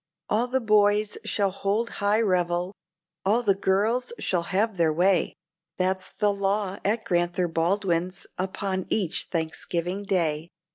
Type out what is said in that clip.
All the boys shall hold high revel; all the girls shall have their way, That's the law at Grand'ther Baldwin's upon each Thanksgiving Day.